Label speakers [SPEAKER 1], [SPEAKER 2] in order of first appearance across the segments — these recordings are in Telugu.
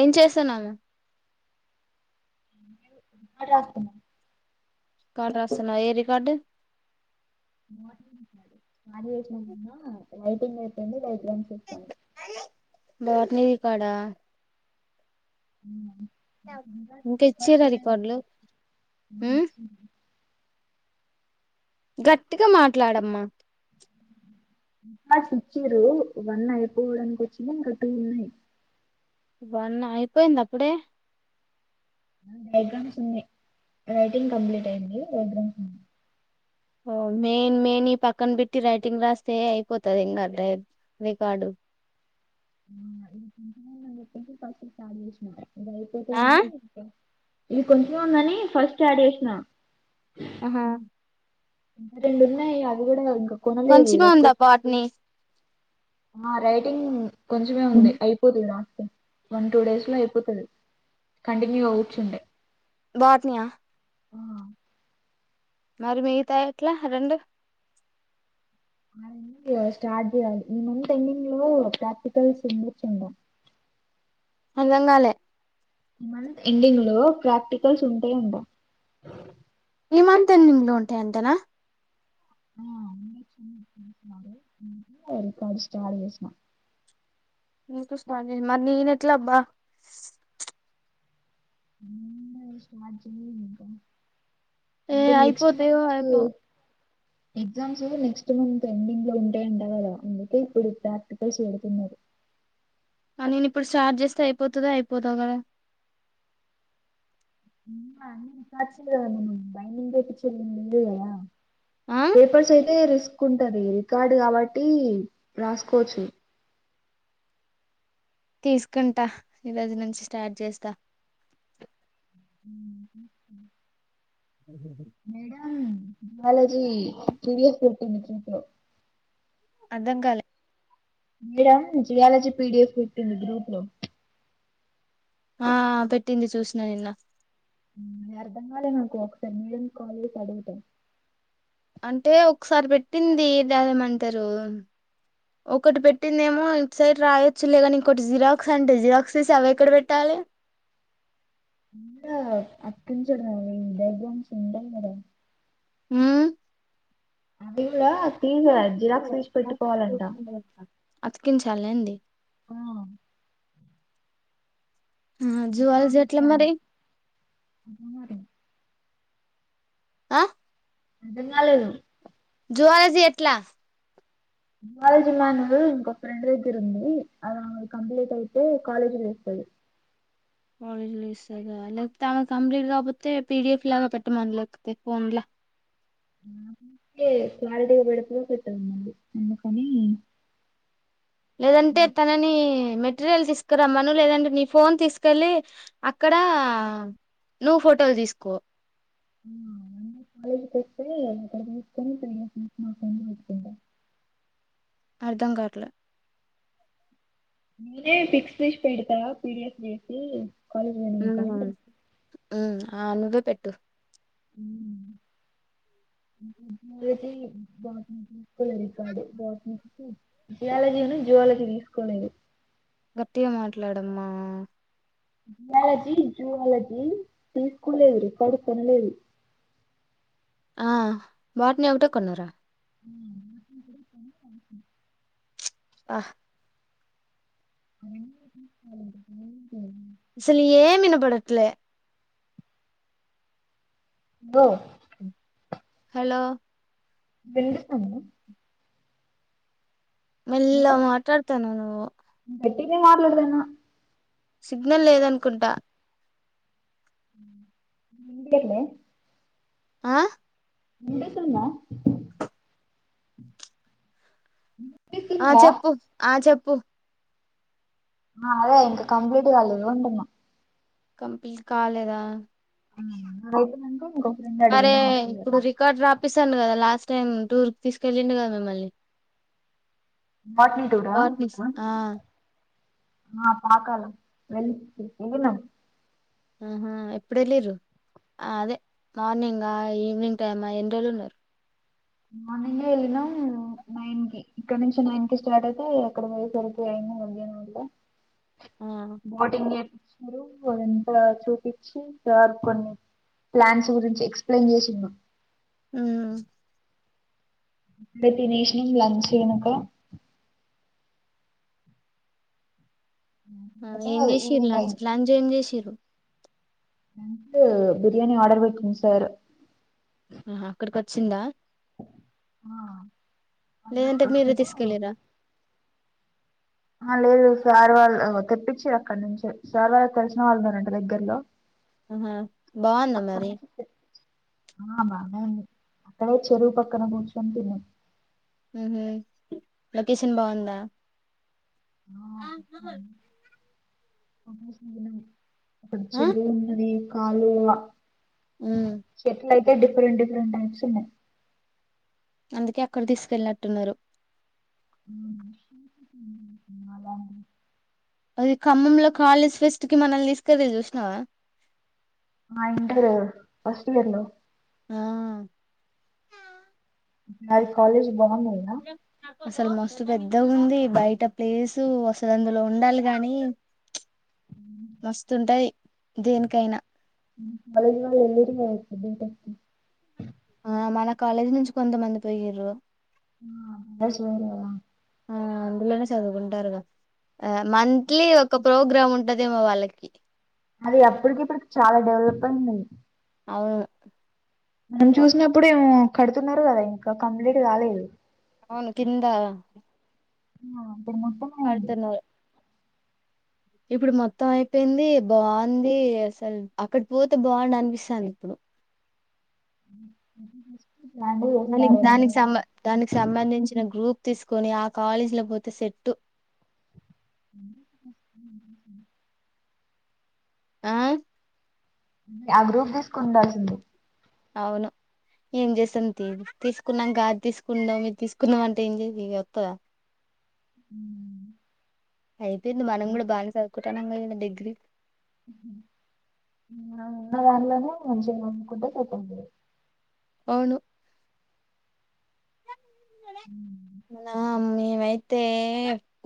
[SPEAKER 1] ఏం చేస్తున్నాము
[SPEAKER 2] రాన్నా [unintelligible]
[SPEAKER 1] కడ రాస్తన్నావ్ ఏ రికార్డు
[SPEAKER 2] స్ చేసిన ైటింగ్ వపోందిై [unintelligible] నేను చెబుతాను
[SPEAKER 1] బాటినేది కాడా [inaudible]
[SPEAKER 2] ఉ హ్
[SPEAKER 1] ఇంకా
[SPEAKER 2] ప
[SPEAKER 1] ఇచ్చిరా రికార్డులు ఉమ్
[SPEAKER 2] [inaudible]
[SPEAKER 1] గట్టిగా మాట్లాడమ్మా
[SPEAKER 2] ఇంకాస్ ఇచ్చిరు ఇవన్నీ అయిపోవడాకి వచ్చినయ్ ఇంక టు ఉన్నాయి
[SPEAKER 1] వన్ అయిపోయింద అప్పుడే
[SPEAKER 2] డైగ్రామ్స్ ఉన్నాయి రైటింగ్ కంప్లీట్ అయింది డైగ్రామ్స్ ఉన్నాయి
[SPEAKER 1] ఓ మెయిన్ మెయిన్వి పక్కన పెట్టి రైటింగ్ రాస్తే అయిపోతది ఇంకా రికార్డు
[SPEAKER 2] డ వ [unintelligible] గైపోతే
[SPEAKER 1] ఆ
[SPEAKER 2] అన్నా [unintelligible] ఇది కొంచెం ఉందని ఫస్ట్ యాడ్ చేసిన
[SPEAKER 1] అహ
[SPEAKER 2] రెండున్నాయి అది కూడా కనుకో
[SPEAKER 1] కొంచెమే ఉందా బొటని
[SPEAKER 2] ఆ రైటీంగ్ కొంచమే ఉంది అయిపోతుంది వన్ టూ డేస్ లో అయిపోతది కంటిన్యూగ కూర్చుంటే
[SPEAKER 1] బోటనియా
[SPEAKER 2] ఆ [inaudible]
[SPEAKER 1] మరి మిగతా ఎట్లా రెండు
[SPEAKER 2] ఓకే స్టార్ట్ చేయాలి మంత్ ఎండింగ్ లో ప్రాక్టికల్స్ ముందు చే
[SPEAKER 1] అర్థం గాలె
[SPEAKER 2] మంత్ ఎండింగ్ లో ప్రాక్టికల్స్ ఉంటయి అంట
[SPEAKER 1] ఈమంత్ ఎండింగ్ లో ఉంటయమ్ట నా
[SPEAKER 2] ికడు ఆ చేసిన [inaudible]
[SPEAKER 1] మరి నేనెట్ల అబ్బా
[SPEAKER 2] నిన్న వి స మాజకు [inaudible] [inaudible]
[SPEAKER 1] ఏ ఆయిపోతాయో ఐపో
[SPEAKER 2] ఎగ్జామ్స్ నెక్స్ట్ మంత్ ఎండింగ్ లో ఉంటాయి అంట కదా అందుకే ఇప్పుడు ప్రాక్టికల్స్ పెడుతున్నారు
[SPEAKER 1] కానిన్ ఇప్పుడు స్టార్ట్ చేస్తే అయిపోతదా అయిపోతా కదా
[SPEAKER 2] [inaudible] బైనింగ్ చేపిచ్చింది ఉంది కదా
[SPEAKER 1] ఆ
[SPEAKER 2] పేపర్స్ అయితే రిస్ కుంటది రికార్డు కాబట్టి రాసుకోవచ్చు
[SPEAKER 1] తీసుకుంటా ఈరోజు నుంచి స్టార్ట్ చేస్తా ఉ ఉ హు
[SPEAKER 2] అం వాళ్ళ ఈ ప్రీవియస్ [unintelligible] తో
[SPEAKER 1] అద్దం కాలే
[SPEAKER 2] మేడం జియాలజీ పిడిఎఫ్ పెట్టింది గ్రూప్ లో
[SPEAKER 1] ఆ పెట్టింది చూసిన నిన్న
[SPEAKER 2] వర్థంకాల నకు క్సె కోలజ్ తడుట
[SPEAKER 1] అంటే ఒకసారి పెట్టింది దదేమంటారు ఒకటి పెట్టిందేమో ఇ సైడ్ రాయొచ్చు లే కానీ ఇంకోటి జిరాక్స్ అంటే జిరాక్స్ తీసి అవి ఎక్కడ పెట్టాలి
[SPEAKER 2] ఎంద అప్పు చెడ దైవం సుంద మడ
[SPEAKER 1] హ
[SPEAKER 2] అదివరా తీజద జిరాక్స్ తీజ పెట్టుకోవాలంట
[SPEAKER 1] తకిించాల అండి
[SPEAKER 2] ఆ
[SPEAKER 1] ఆ జవాల చెట్ల మరి
[SPEAKER 2] అరి
[SPEAKER 1] ఆ
[SPEAKER 2] అదంగాలను
[SPEAKER 1] జువాలజ ఎట్లా
[SPEAKER 2] కాలేజ్ మా్యాన ఇంకొ ఫ్రెండ్ దగ్గర ఉంది అది కంప్లీట్ అయితే కాలేజీ వస్తాడు
[SPEAKER 1] కాలేజ్ స్గా లేకపోతే ఆమె కంప్లీట్ కాపోతే పిడిఎఫ్ లాగా పెట్టమని లేకపోతే ఫోన్లా
[SPEAKER 2] నాకే క్లారిటీగా పెడ పెట్టన్నడి అందుకని
[SPEAKER 1] లేదంటే
[SPEAKER 2] మ-
[SPEAKER 1] తనని మెటీరియల్ తీసుకు రమ్మను లేదంటే నీ ఫోన్ తీసుకెళ్ళలి అక్కడ నువ్వు ఫోటోలు తీసుకో
[SPEAKER 2] కనికు వతుంట
[SPEAKER 1] అర్ధం కాట్లు
[SPEAKER 2] నేనే ఫిక్స్ ఫిష్ పెడతా పీడిఎఫ్ చేసి కాలేజ్ లోనే ఉంటమండి
[SPEAKER 1] మ్మ్ ఆ నువ్వే పెట్టు
[SPEAKER 2] కాలజీ గ తీసుకోలేదు కాడు బ జియాలజీ జివాలజీ తీసుకోలేదు
[SPEAKER 1] గట్టిగా మాట్లాడమ్మా
[SPEAKER 2] జయాలజీ జువాలజీ తీస్కులేరు కానీ కొనలేదు
[SPEAKER 1] ఆ వాటిని ఒకటే కొన్నారా
[SPEAKER 2] [inaudible]
[SPEAKER 1] ఆ
[SPEAKER 2] [inaudible]
[SPEAKER 1] అస్సలు ఏం ఎనపడట్లే
[SPEAKER 2] ఓ
[SPEAKER 1] హలో
[SPEAKER 2] విన్పిస్తాంద
[SPEAKER 1] మెల్లగా మాట్లాడుతన్నావ్ నువ్వు
[SPEAKER 2] గట్టిగా మాట్లాడదేనా
[SPEAKER 1] సిగ్నల్ లేదనుకుంటా
[SPEAKER 2] ఉందే లే
[SPEAKER 1] ఆ
[SPEAKER 2] వినిపిస్తుంద
[SPEAKER 1] ఆ చెప్పు ఆ చెప్పు ప
[SPEAKER 2] ఆ అదే ఇంక కంప్లీట్ కాలదు ఉంటన్నా
[SPEAKER 1] కంప్లీట్ కాలేదా
[SPEAKER 2] ఆ ఇంగ అయిపోయినంక ఇంకో ఫ్రెండ్
[SPEAKER 1] అరే
[SPEAKER 2] అడిగినా
[SPEAKER 1] తూ రికార్డ్ రా చపిస్తాను కదా లాస్ట్ టైం టూర్ కి తీసుకెళ్ళిండు కదా మిమ్మల్ని
[SPEAKER 2] వాట్నీ టూడా
[SPEAKER 1] ఆ
[SPEAKER 2] ఆ పాకాల వెళ్ళి చేల
[SPEAKER 1] ఆహా ఎప్పుడడు వెళ్ళరు అదే మార్నింగ్ ఈవినింగ్ టైమా ఎన్ని రోళ్ళు ఉన్నారు
[SPEAKER 2] మార్నింగ వెళ్ళినాం నైన్ కి ఇక్కడ నుంచి నైన్ కి స్టార్ట్ అయితే ఎక్కడ పోయేసరికి అయిన అగాను అంటే
[SPEAKER 1] ఆ
[SPEAKER 2] బోటింగ్ న ఇంత చూపించి సార్ కొన్ని ప్లాన్స్ గురించి ఎక్సయిన్ చేసిన్నా
[SPEAKER 1] హమ్
[SPEAKER 2] ఇడ తినేషనింగ్ లంచనుక
[SPEAKER 1] ఆ ఏం చేసి
[SPEAKER 2] ఈవినింగ్
[SPEAKER 1] లంచ్ లంచ్ ఏం జ చేసిర జీవ
[SPEAKER 2] న బిర్యాణి ఆర్డర్ పెట్ంది సార్
[SPEAKER 1] హా అక్కడ వచ్చిందా
[SPEAKER 2] ఆ
[SPEAKER 1] లేదంటే మీరు తీసుకెళ్ళారా
[SPEAKER 2] ఆ లేదు సార్ వాళ్ళు తెప్పించిఘర్రక్కడ నుంచి సార్ వాళ్ళు తెలిసిన వాళ్ళు ఉన్నారంట దగ్గరలో
[SPEAKER 1] ఆహా బావుందా
[SPEAKER 2] అక్కడ
[SPEAKER 1] మరి
[SPEAKER 2] నుంచి ఆ బానే అక్కడే చెరువు పక్కన కూర్చొని తిన్నా
[SPEAKER 1] ఊహులొకేషన్ బావుందా
[SPEAKER 2] ఆప్ప అ సేను అప్పుడు
[SPEAKER 1] ఆ
[SPEAKER 2] చెడు ఉన్నది కాలు
[SPEAKER 1] ఉమ్
[SPEAKER 2] డిఫరెంట్ డిఫరెంట్ టైప్స్ ఉన్నాయి
[SPEAKER 1] అందుకే అక్కడ తీసుకెళ్ళట్టున్నారు
[SPEAKER 2] ఉమ్ ఉమ్ ఉమ్ లా
[SPEAKER 1] ఖమ్మంంలో కాలేజ్ ఫెస్ట్ కి మనల్ తీసుకెర చూసినావా
[SPEAKER 2] ఆ ఇంటర్ కదా ఫస్ట్ ఇయర్ లో
[SPEAKER 1] ఆ
[SPEAKER 2] మరి కాలజ బాగుంద
[SPEAKER 1] అసలు మస్తు పెద్ద ఉంది బయట ప్లేసు వసదందులో ఉండాలి కాని మస్తు ఉంటాయి దేనికైనా
[SPEAKER 2] కాలేజ్ల్ ఎల్రిగయితే బి టెక్
[SPEAKER 1] ఆ మన కాలేజీ నుంచి కొంతమంది పోయిరు
[SPEAKER 2] అ బాయిస్ పోలేదా
[SPEAKER 1] ఆ అందులోనే చదువుకుంటారుద ఆ మంత్లీ ఒక ప్రోగ్రామ్ ఉంటదమో వాళ్ళకి
[SPEAKER 2] అది అప్పటికి ఇప్పుడుకి చాలా డెవలప్ అయింది
[SPEAKER 1] అవును
[SPEAKER 2] మనం చూసినప్పుడు ఏమో కడుతున్నారు కదా ఇంకా కంప్లీట్ కాలేదు
[SPEAKER 1] అవును కింద
[SPEAKER 2] ఆ ఇప్పుడు మొత్తం అయింది
[SPEAKER 1] కడుతున్నారు ఇప్పుడు మొత్తం అయిపోయింది బాగుంది అసలు అక్కడి పోతే బాగుండు అనిపిస్తుంది ఇప్పుడు
[SPEAKER 2] [unintelligible]
[SPEAKER 1] మళ్ళ
[SPEAKER 2] చేస్తారేమో
[SPEAKER 1] దానికి
[SPEAKER 2] కదా
[SPEAKER 1] సంబ దానికి సంబంధించిన గ్రూప్ తీసుకొని ఆ కాలేజీలో పోతే సెట్టు
[SPEAKER 2] [unintelligible]
[SPEAKER 1] ఆ
[SPEAKER 2] ఆ గ్రూప్ ది ఉండాల్సింది
[SPEAKER 1] అవును ఏం చేస్తాం తీసుకున్నాం కాదు తీసుకున్నాాం మీరు తీసుకున్నాం అంటే ఏం చే ఇగా వస్తుందా
[SPEAKER 2] ఉమ్
[SPEAKER 1] అయిపోయింది మనం కూడా బాగానే చదువుకుంటనం డిగ్రీ
[SPEAKER 2] ఉన్న దానిలోనే మంచి గా కోనుకుంటే సరిపోతుంది
[SPEAKER 1] అవును నా మ్ మెమ్అయ్తే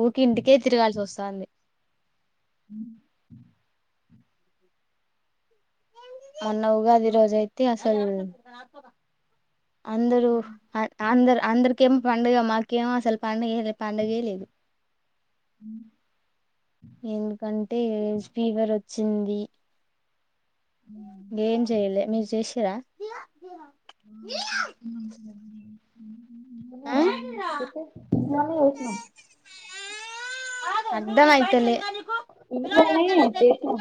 [SPEAKER 1] ఊరికి ఇంటికే తిరగాల్సి వస్తుంది
[SPEAKER 2] ఉ
[SPEAKER 1] అల్ల ఉగాది రోజైతే సల్ అందరూ [unintelligible] అందరు అందరు కేం పండుగ మాకేం అసలు పండగే గే పండగే లేదు
[SPEAKER 2] ఆ
[SPEAKER 1] ఎందుకంటే ఫీవర్ వచ్చింది
[SPEAKER 2] హలో
[SPEAKER 1] నేను చేయలే నువ్ చేస్ [unintelligible]
[SPEAKER 2] [unintelligible] హమ్
[SPEAKER 1] ఆ
[SPEAKER 2] చేసినాం
[SPEAKER 1] అర్ధం అయితేలే
[SPEAKER 2] ఇంట్లోనేే చేశాం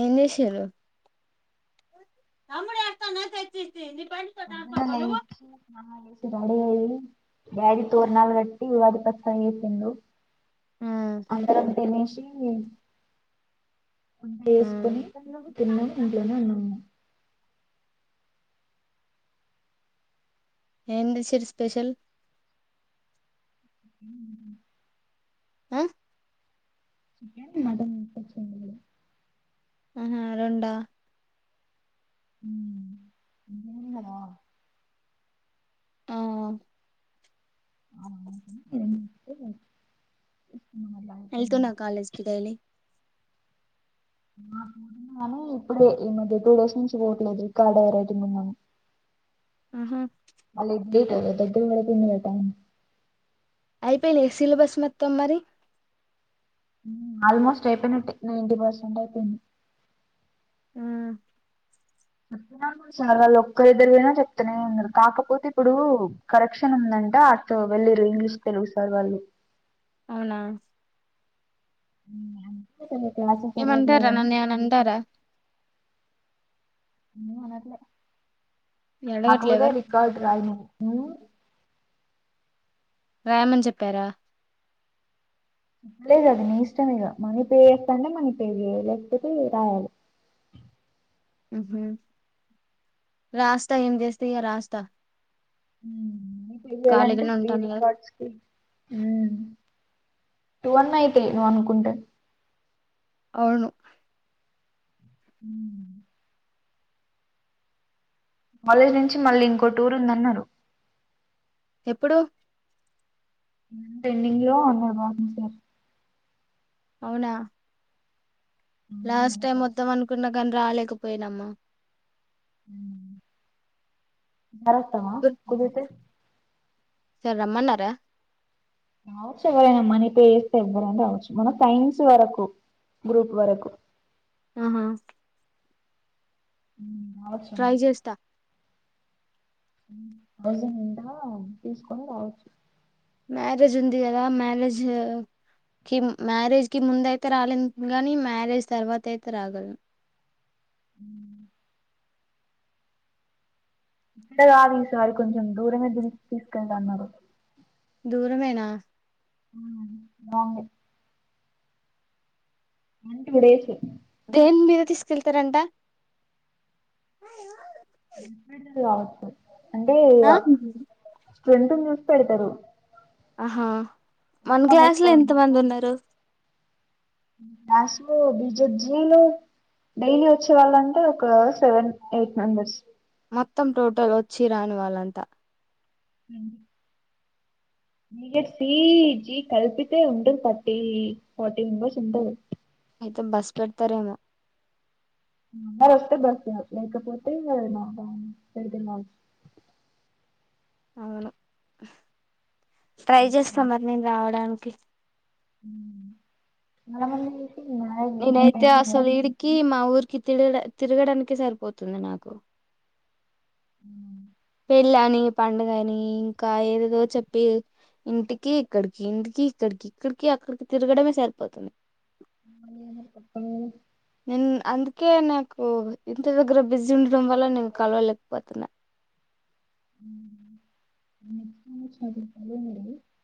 [SPEAKER 1] ఎనే సరు తమ్డ ఆతాంతచ్చతి ని
[SPEAKER 2] పన్న నయిడగా డాడీ తోరనా రట్టి వి వాది పస్తా తందు
[SPEAKER 1] ఆ
[SPEAKER 2] అందరం తినసి వంట
[SPEAKER 1] ఆ
[SPEAKER 2] వేసుకొని తిన్నాం ఇంట్లోనే అన్నాము
[SPEAKER 1] ఎంతచ్చరి స్పెషల్
[SPEAKER 2] హ
[SPEAKER 1] ఆ
[SPEAKER 2] మట
[SPEAKER 1] ఆహా రాండ్
[SPEAKER 2] ఉమ్. బిర్యానీ కదా
[SPEAKER 1] ఆ
[SPEAKER 2] విడివ
[SPEAKER 1] వెళ్తు నా కాలేజ్ కి డైలీ
[SPEAKER 2] ఇప్పుడు ఈ మద టూస్ నుంచి పోట్లేదు ఈ కాడ వరతే మందను
[SPEAKER 1] ఆహా
[SPEAKER 2] దద్ద కూడా త వె టా
[SPEAKER 1] అయిపోయింది ఏసీల బస్సు మొత్తం మరి
[SPEAKER 2] ఆల్మోస్ట్ అయిపోయిన నైన్ంటీ పర్సెంట్ అయిపోయింది
[SPEAKER 1] ఆ
[SPEAKER 2] సార్ వాళ్ళు ఒక్కరిద్దరుకైనా చెప్తనే ఉన్నరు కాకపోతే ఇప్పుడు కరెక్షన్ ఉందంట అట్ వెళ్ళరు ఇంగ్లీష్ తెలుగు సార్ వాళ్ళు
[SPEAKER 1] అవునా
[SPEAKER 2] తరు
[SPEAKER 1] ఏమంటారా నన్నేమైనా అంటారా
[SPEAKER 2] ఏం అనరులే
[SPEAKER 1] అడగట్లే
[SPEAKER 2] అకుపోదే
[SPEAKER 1] ఎవరు
[SPEAKER 2] రికార్డ్ రాయి
[SPEAKER 1] రాయమని చెప్పారా
[SPEAKER 2] అ లేదు అది నీ ఇష్టం ఇగ మణిపే చేస్తాంటే మణిపే లేస్తతే రాయాాలి
[SPEAKER 1] హమ్మ్ రాస్తా ఏం చేస్త ఇగ రాస్తా
[SPEAKER 2] అ తెయాలంటే
[SPEAKER 1] ఖాళీగానే
[SPEAKER 2] ఫ్రీ
[SPEAKER 1] ఉంటాను కదా
[SPEAKER 2] రికార్డ్స్ కి టూ అన్ అయితే నువ్వు అనుకుంటే
[SPEAKER 1] అవును
[SPEAKER 2] ఉ కాలేజ్ నుంచి మళ్ళీ ఇంకో టూర్ ఉందన్నరు
[SPEAKER 1] ఎప్పుడు
[SPEAKER 2] ఎండింగ్లో అన్నరు బాగుంది సార్
[SPEAKER 1] అవునా
[SPEAKER 2] అలాగే
[SPEAKER 1] లాస్ట్
[SPEAKER 2] మన
[SPEAKER 1] టైమ్
[SPEAKER 2] క్లాస్
[SPEAKER 1] మొత్తం అనుకున్నా కానీ రాలేదు పోయినమ్మా
[SPEAKER 2] హమ్ కావస్తవా కుదితే
[SPEAKER 1] సార్ రమ్మన్నారా
[SPEAKER 2] రావచ్చు ఎవరైనా మనీ పే చేస్తే ఎవ్వరైనా రావచ్చు మనం సైన్స్ వరకు గ్రూప్ వరకు
[SPEAKER 1] ఆహా
[SPEAKER 2] ఉ
[SPEAKER 1] ట్రై చేస్తా
[SPEAKER 2] అౌజంట తీసుకొని రావచ్చు
[SPEAKER 1] మ్యారేజ్ ఉంది గదా మ్యారేజ్ కి మ్యారేజ్ కి ముందయితే రాలేను కాగాని మ్యారేజ్ తర్వాత అయితే రాగలను
[SPEAKER 2] హమ్ ఇ కాది సారి కొంచం దూరమే తింటాన్నరు
[SPEAKER 1] దూరమేనా
[SPEAKER 2] [inaudible] వన్ టూ డేసు
[SPEAKER 1] దేని మీద తీసుకెళ్తారంట
[SPEAKER 2] కావచ్చ
[SPEAKER 1] ఆ
[SPEAKER 2] ర్రెఫ్రంట్ను చూసి పెడతరు
[SPEAKER 1] ఆహా మన క్లాస్లో ఎంత మంది ఉన్నరు
[SPEAKER 2] క్లాస్లో బీజజీలు డైలీ వచ్చే వాళ్ళంటే ఒక సెవెన్ ఎయిట్ మెంబర్స్
[SPEAKER 1] మొత్తం టోటల్ వచ్చి రాని వాళ్ళంతా
[SPEAKER 2] హమ్ బీ ఎస్ సీ జీ కలిపితే ఉంటరు థర్టీ ఫోర్టీ మెంబెర్స్ ఉంటరు
[SPEAKER 1] అయితే బస్ పెడతరేమో
[SPEAKER 2] అందరు వస్తె బస్ పెడతరు ఏమో లేకపోతే పెతున్నా
[SPEAKER 1] అవును ట్రై చేస్తా మరి నేను రావడానికి కి
[SPEAKER 2] ఏ మంది
[SPEAKER 1] నేనైతే అసలు ఇడికి మా ఊర్కి తి తిరగడానికే సరిపోతుంది నాకు పెళ్లి అని పండుగ అని ఇంకా ఏదేదో చెప్పి ఇంటికి ఇక్కడికి ఇంటికి ఇక్కడికి ఇక్కడికి అక్కడికి తిరగడమే సరిపోతుంది
[SPEAKER 2] మళ్ళీ ఎవరు
[SPEAKER 1] నిన్ అందు ఓకే నాకు ఇంటి దగ్గర బిజీ ఉండడం వల్ల నేను కలవలేకపోతున్నా
[SPEAKER 2] కొత్తగా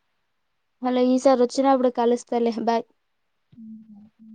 [SPEAKER 1] హలో ఈసారి వచ్చినప్పుడు కలుస్తలే బాయ్
[SPEAKER 2] హమ్